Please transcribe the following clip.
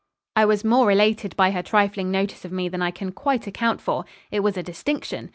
I was more elated by her trifling notice of me than I can quite account for. It was a distinction.